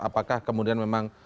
apakah kemudian memang